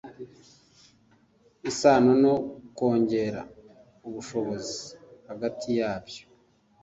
isano no kongera ubushobozi hagati yabyo.